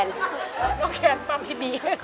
น้องแคนปั้มพี่บี